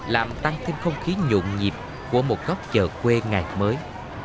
làm tăng thêm không khí nhộn nhịp của một góc chờ quê ngày mới